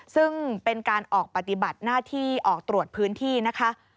ซึ่งเป็นการออกปฏิบัติหน้าที่ออกตรวจพื้นที่นะคะ